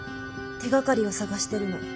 手がかりを探してるの。